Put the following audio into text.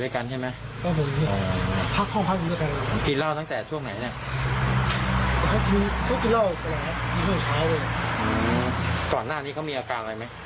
ก่อนหน้านี้เขามีอาการอะไรไหม